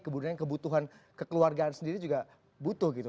kemudian kebutuhan kekeluargaan sendiri juga butuh gitu